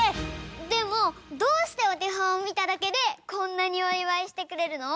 でもどうしておてほんをみただけでこんなにおいわいしてくれるの？